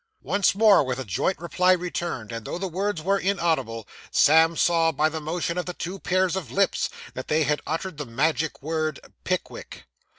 Once more was a joint reply returned; and, though the words were inaudible, Sam saw by the motion of the two pairs of lips that they had uttered the magic word 'Pickwick.